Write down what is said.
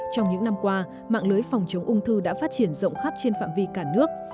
trong những năm qua mạng lưới phòng chống ung thư đã phát triển rộng khắp trên phạm vi cả nước